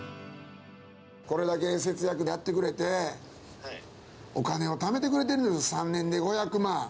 これだけ節約やってくれて、お金をためてくれているんです、３年で５００万。